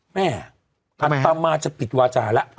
แม่อัตตามาจะปิดวาจาระ